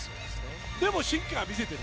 でも、進化は見せている。